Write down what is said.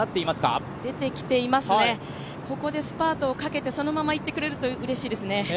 出てきていますね、ここでスパートをかけてそのままいってくれるとうれしいですね。